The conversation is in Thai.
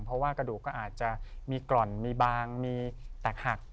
เพราะว่ากระดูกก็อาจจะมีกร่อนมีบางมีแตกหัก